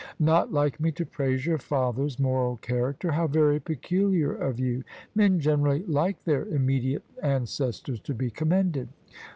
"Not like me to praise your father's moral character? How very peculiar of you! Men generally like their imme diate ancestors to be commended."